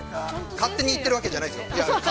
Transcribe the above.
◆勝手に行ってるわけじゃないですよ。